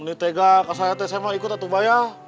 ini tega saya ikut ya itu mbak ya